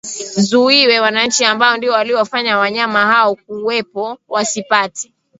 zuiwe wananchi ambao ndio waliowafanya wanyama hao kuwepo wasipate